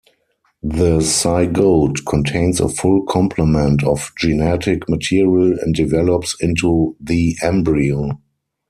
The zygote contains a full complement of genetic material and develops into the embryo.